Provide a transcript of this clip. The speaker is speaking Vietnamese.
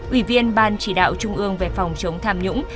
ủy viên ban chỉ đạo trung ương về phòng chống tham nhũng